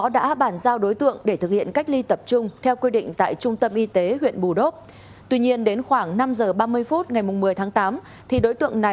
cảm ơn các bạn đã theo dõi